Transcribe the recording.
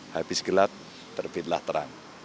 habis gelap terbitlah terang